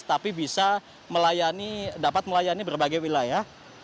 tapi bisa dapat melayani berbagai wilayah